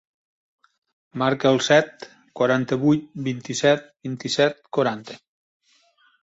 Marca el set, quaranta-vuit, vint-i-set, vint-i-set, quaranta.